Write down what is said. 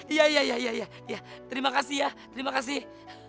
iya iya terima kasih ya terima kasih